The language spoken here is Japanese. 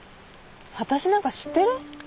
私なんか知ってる？